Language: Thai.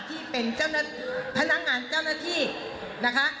ที่เป็นพนักงานเจ้าหน้าที่นะคะ